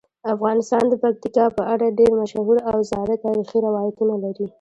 افغانستان د پکتیکا په اړه ډیر مشهور او زاړه تاریخی روایتونه لري.